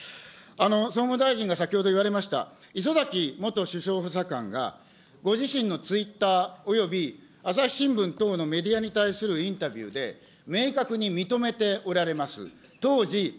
総務大臣が先ほど言われました、礒崎元首相補佐官がご自身のツイッターおよび朝日新聞等のメディアに対するインタビューで、明確に認めておられます。